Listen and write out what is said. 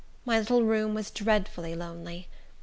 My little room was dreadfully lonely.